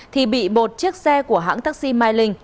thì bị một chiếc xe của hãng taxi myling